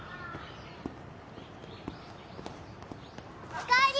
お帰り！